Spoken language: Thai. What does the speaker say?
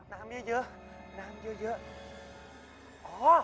น้ำเยอะ